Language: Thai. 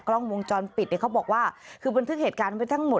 กล้องวงจรปิดเนี่ยเขาบอกว่าคือบันทึกเหตุการณ์ไว้ทั้งหมด